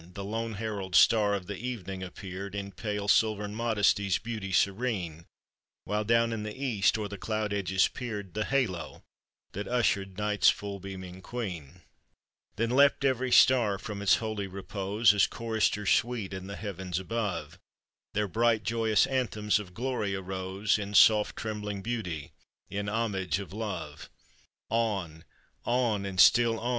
— The lone herald star of the evening appeared, In pale, silvern modesty's beauty serene; While down in the east o'er the cloud edges peered The halo that ushered Night's full beaming Queen ; Then leapt every star from its holy repose, As choristers sweet in the heavens above Their bright, joyous anthems of glory arose In soft, trembling beauty, in homage of love. On, on ! and still on